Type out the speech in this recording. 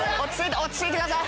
落ち着いてください。